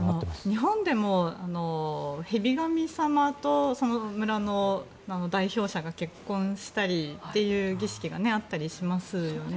日本でも蛇神様とその村の代表者が結婚したりという儀式があったりしますよね。